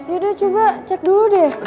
yaudah coba cek dulu deh